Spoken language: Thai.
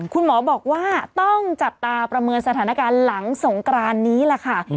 คุณหมอบอกว่าต้องจับตาประเมินสถานการณ์หลังสงกรานนี้แหละค่ะ